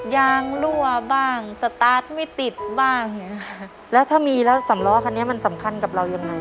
ยางรั่วบ้างสตาร์ทไม่ติดบ้างแล้วถ้ามีแล้วสำล้อคันนี้มันสำคัญกับเรายังไง